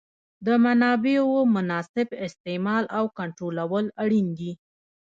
د منابعو مناسب استعمال او کنټرولول اړین دي.